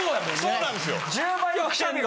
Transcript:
そうなんですよ。